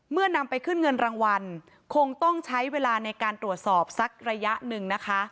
นำไปขึ้นเงินรางวัลคงต้องใช้เวลาในการตรวจสอบสักระยะหนึ่งนะคะ